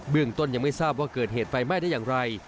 เรื่องต้นยังไม่ทราบว่าเกิดเหตุไฟไหม้ได้อย่างไร